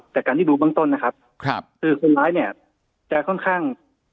จากการที่ดูเบื้องต้นนะครับคือคนร้ายเนี่ยจะค่อนข้าง